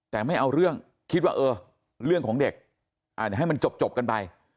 แต่ไม่เอาเรื่องคิดว่าเออเรื่องของเด็กให้มันจบกันไป